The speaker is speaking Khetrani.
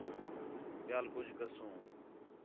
ٻِیال کُج کسوں